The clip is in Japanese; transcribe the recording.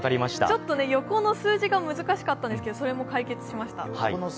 ちょっとね、横の数字が難しかったんですけどそれも解決しました。